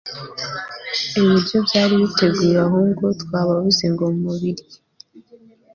ibiryo byari biteguye ahubwo twababuze ngo mu biryo